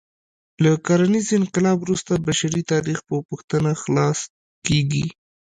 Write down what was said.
له کرنیز انقلاب وروسته بشري تاریخ په پوښتنه خلاصه کېږي.